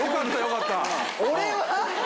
俺は？